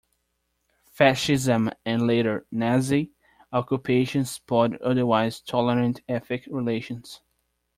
Fascism and, later, Nazi occupation spoiled otherwise tolerant ethnic relations.